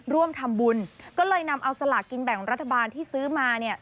ร่วมทำบุญก็เลยนำเอาสลากกินแบ่งรัฐบาลที่ซื้อมาเนี่ย